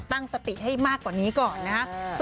ตั้งสติให้มากกว่านี้ก่อนนะครับ